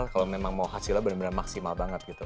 kalau memang mau hasilnya benar benar maksimal banget gitu